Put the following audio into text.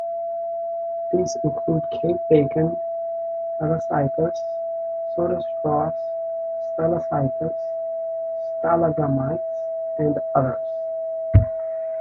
These include cave bacon, helictites, soda straws, stalactites, stalagmites and others.